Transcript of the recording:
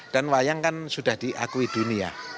dan wayang kan sudah diakui dunia